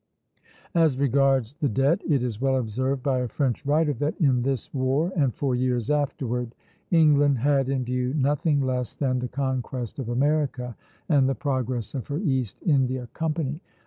As regards the debt, it is well observed by a French writer that "in this war, and for years afterward, England had in view nothing less than the conquest of America and the progress of her East India Company.